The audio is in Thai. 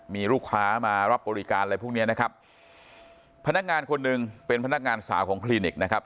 มีลูกค้ามารับบริการอะไรพวกเนี้ยนะครับพนักงานคนหนึ่งเป็นพนักงานสาวของคลินิกนะครับ